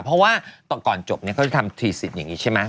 เพราะว่าก่อนจบเขาจะทำที๑๐อย่างนี้ใช่ไหม